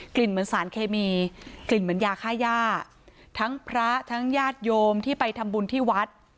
เหมือนสารเคมีกลิ่นเหมือนยาค่าย่าทั้งพระทั้งญาติโยมที่ไปทำบุญที่วัด